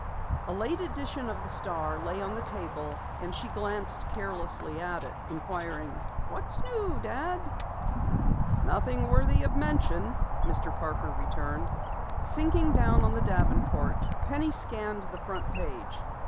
A late edition of the Star lay on the table, and she glanced carelessly at it, inquiring: "What's new, Dad?" "Nothing worthy of mention," Mr. Parker returned. Sinking down on the davenport, Penny scanned the front page.